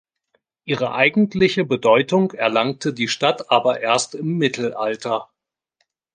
Ihre eigentliche Bedeutung erlangte die Stadt aber erst im Mittelalter.